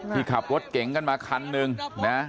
ที่ขับรถเก่งกันมาคันนึงนะฮะ